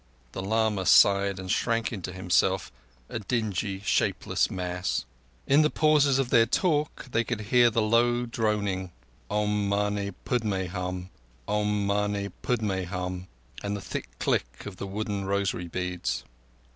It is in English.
The lama sighed and shrank into himself, a dingy, shapeless mass. In the pauses of their talk they could hear the low droning "Om mane pudme hum! Om mane pudme hum!"—and the thick click of the wooden rosary beads.